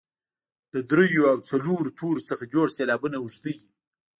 له دریو او څلورو تورو څخه جوړ سېلابونه اوږده وي.